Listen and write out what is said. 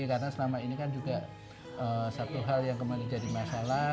karena selama ini kan juga satu hal yang kemarin jadi masalah